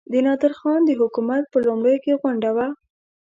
د نادرخان د حکومت په لومړیو کې غونډه وه.